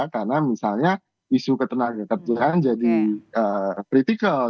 karena misalnya isu ketenagaan jadi kritikal